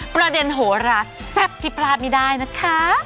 ประเด็นโหระแซ่บที่พลาดไม่ได้นะครับ